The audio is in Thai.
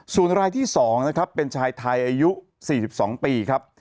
ส่วนรายที่๒นะครับเป็นชายไทยอายุ๔๒ปีครับ